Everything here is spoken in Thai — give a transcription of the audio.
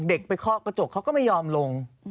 เด็กไปเคาะกระจกเขาก็ไม่ยอมลง